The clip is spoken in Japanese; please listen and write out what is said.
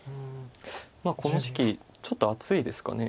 この時期ちょっと暑いですかね。